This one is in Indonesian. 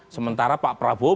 sementara pak prabowo